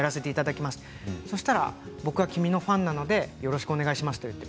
そうしたら僕は君のファンなのでよろしくお願いしますと。